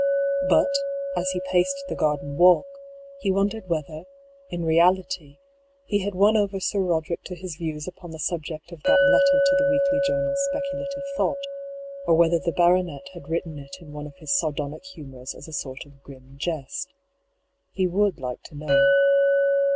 But, as he paced the garden walk, he wondered whether, in reality, he had won over Sir Rod erick to his views npon the subject of that letter to the weekly journal Speculative Thought^ or whether the baronet had written it in one of his sardonic humours as a sort of grim jest. He would like to know.